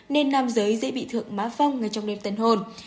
nên nam giới dễ bị thượng má phong ngay trong đêm tân hôn